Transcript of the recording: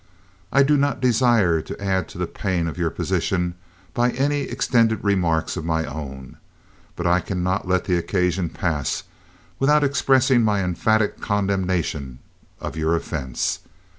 I do not desire to add to the pain of your position by any extended remarks of my own; but I cannot let the occasion pass without expressing my emphatic condemnation of your offense.